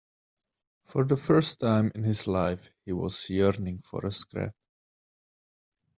For the first time in his life he was yearning for a scrap.